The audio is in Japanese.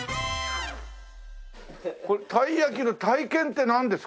これたい焼きの体験ってなんですか？